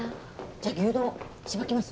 じゃあ牛丼しばきます？